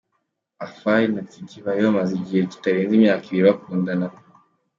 afari na Titie bari bamaze igihe kitarenze imyaka ibiri bakundana.